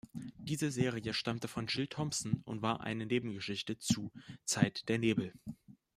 Diese Serie stammte von Jill Thompson und war eine Nebengeschichte zu "Zeit der Nebel".